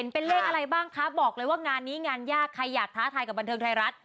เป็นเลขอะไรบ้างคะบอกเลยว่างานนี้งานยากใครอยากท้าทายกับบันเทิงไทยรัฐ